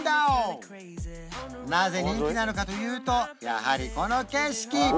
なぜ人気なのかというとやはりこの景色！